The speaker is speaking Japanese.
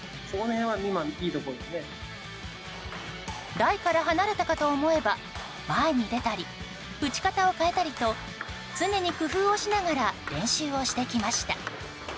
台から離れたかと思えば前に出たり、打ち方を変えたりと常に工夫をしながら練習をしてきました。